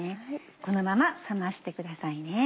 このまま冷ましてくださいね。